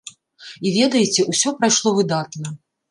І ведаеце, усё прайшло выдатна!